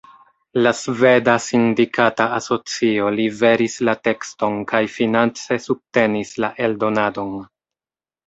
La Sveda Sindikata Asocio liveris la tekston kaj finance subtenis la eldonadon.